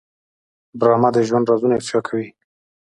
ډرامه د ژوند رازونه افشا کوي